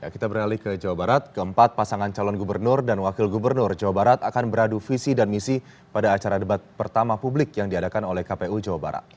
kita beralih ke jawa barat keempat pasangan calon gubernur dan wakil gubernur jawa barat akan beradu visi dan misi pada acara debat pertama publik yang diadakan oleh kpu jawa barat